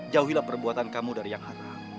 jauhilah perbuatan kamu dari yang haram